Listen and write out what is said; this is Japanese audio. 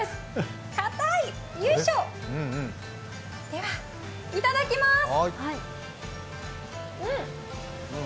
では、いただきます。